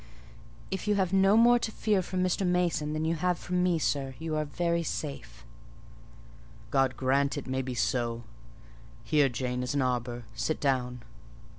"If you have no more to fear from Mr. Mason than you have from me, sir, you are very safe." "God grant it may be so! Here, Jane, is an arbour; sit down."